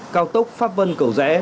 cao tốc pháp vân cầu rẽ